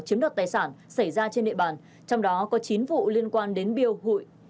chiếm đoạt tài sản xảy ra trên địa bàn trong đó có chín vụ liên quan đến biêu hụi